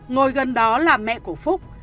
ngồi gần đó là mẹ của phúc